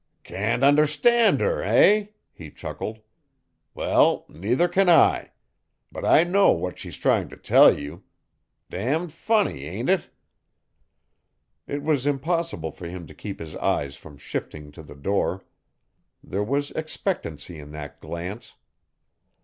"Can't understand her, eh?" he chuckled. "Well, neither can I. But I know what she's trying to tell you. Damned funny, ain't it?" It was impossible for him to keep his eyes from shifting to the door. There was expectancy in that glance.